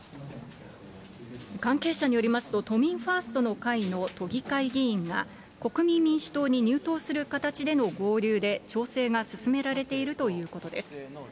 関係者によりますと、都民ファーストの会の都議会議員が、国民民主党に入党する形での合流で調整が進められているということです。